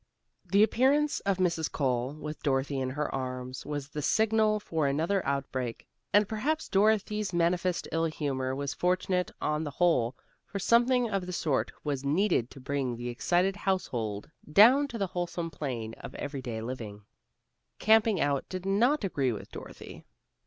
The appearance of Mrs. Cole, with Dorothy in her arms, was the signal for another outbreak, and perhaps Dorothy's manifest ill humor was fortunate on the whole, for something of the sort was needed to bring the excited household down to the wholesome plane of every day living. Camping out did not agree with Dorothy.